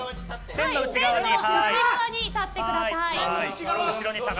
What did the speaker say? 線の内側に立ってください。